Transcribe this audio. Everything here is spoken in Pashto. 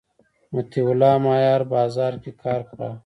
مطیع الله مایار بازار کی کار کا